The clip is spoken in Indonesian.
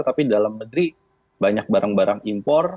tapi dalam negeri banyak barang barang impor